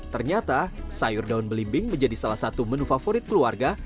ternyata sayur daun belimbing menjadi salah satu menu favorit keluarga